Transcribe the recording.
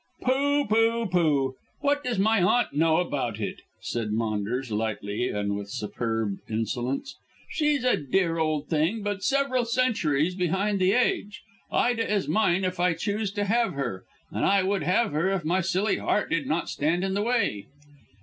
"Pooh! Pooh! Pooh! What does my aunt know about it?" said Maunders lightly and with superb insolence. "She's a dear old thing, but several centuries behind the age. Ida is mine if I choose to have her, and I would have her if my silly heart did not stand in the way."